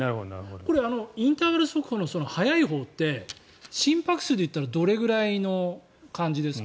これ、インターバル速歩の速いほうって心拍数で言ったらどれくらいの感じですか？